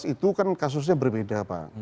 empat belas itu kan kasusnya berbeda pak